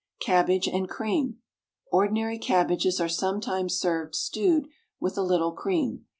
CABBAGE AND CREAM. Ordinary cabbages are sometimes served stewed with a little cream.